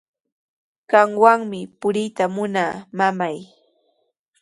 Qamwanmi puriyta munaa, mamay.